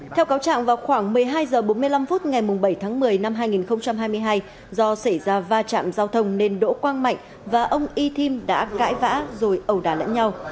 theo cáo trạng vào khoảng một mươi hai h bốn mươi năm phút ngày bảy tháng một mươi năm hai nghìn hai mươi hai do xảy ra va chạm giao thông nên đỗ quang mạnh và ông y thim đã cãi vã rồi ẩu đà lẫn nhau